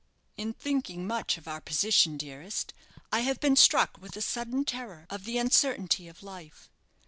"In thinking much of our position, dearest, I have been struck with a sudden terror of the uncertainty of life.